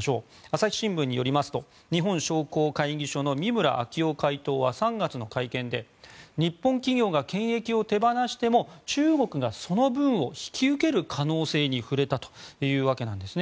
朝日新聞によりますと日本商工会議所の三村明夫会頭は３月の会見で日本企業が権益を手放しても中国がその分を引き受ける可能性に触れたというわけなんです。